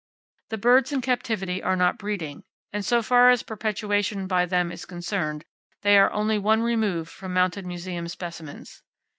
The birds in captivity are not breeding, and so far as perpetuation by them is concerned, they are only one remove from mounted museum specimens.